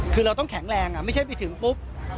คือเราต้องแข็งแรงไม่ใช่ไปถึงปุ๊บ